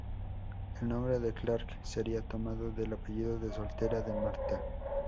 El nombre de Clark sería tomado del apellido de soltera de Martha.